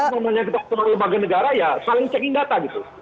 kalau kita sama lembaga negara ya saling cek data